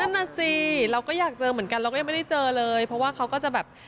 นั่นน่ะสิเราก็อยากเจอเหมือนกันเราก็ยังไม่ได้เจอเลยเพราะว่าเขาก็จะแบบ